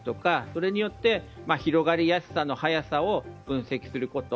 それによって広がりやすさの速さを分析すること。